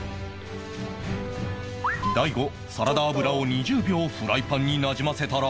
大悟サラダ油を２０秒フライパンになじませたら